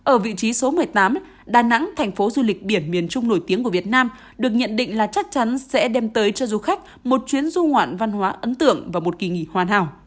ở vị trí số một mươi tám đà nẵng thành phố du lịch biển miền trung nổi tiếng của việt nam được nhận định là chắc chắn sẽ đem tới cho du khách một chuyến du ngoạn văn hóa ấn tượng và một kỳ nghỉ hoàn hảo